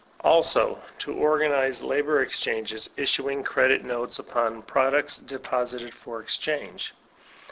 Also, to organize labor exchanges, issuing credit notes upon products deposited for exchange.